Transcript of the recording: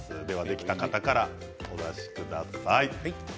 できた方からお出しください。